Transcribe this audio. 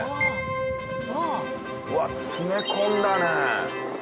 わあっ詰め込んだね。